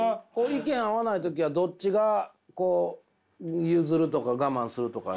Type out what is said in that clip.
意見合わない時はどっちがこう譲るとか我慢するとか。